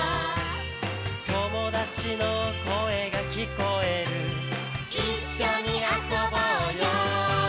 「友達の声が聞こえる」「一緒に遊ぼうよ」